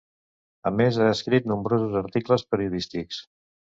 A més ha escrit nombrosos articles periodístics.